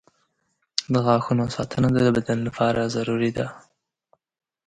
• د غاښونو ساتنه د بدن لپاره ضروري ده.